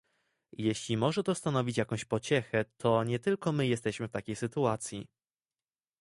Jeśli może to stanowić jakąś pociechę, to nie tylko my jesteśmy w takiej sytuacji